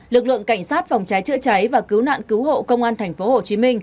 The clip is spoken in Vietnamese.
lực lượng cảnh sát phòng cháy chữa cháy và cứu nạn cứu hộ công an tp hcm